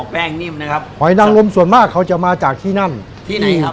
แป้งนิ่มนะครับหอยนังลมส่วนมากเขาจะมาจากที่นั่นที่ไหนครับ